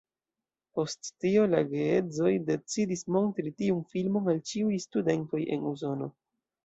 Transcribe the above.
Post tio la geedzoj decidis montri tiun filmon al ĉiuj studentoj en Usono.